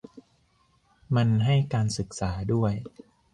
มันให้การศึกษาด้วย